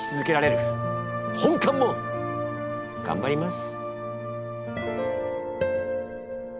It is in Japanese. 本官も頑張ります。